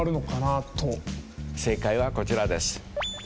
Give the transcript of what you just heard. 正解はこちらです。